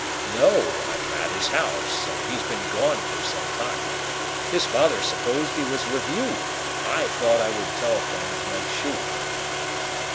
"No; I'm at his home, and he's been gone for some time. His father supposed he was with you. I thought I would telephone to make sure."